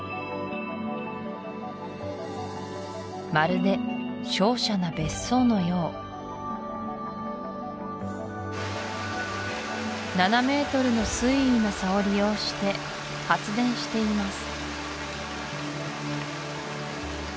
まるで瀟洒な別荘のよう７メートルの水位の差を利用して発電しています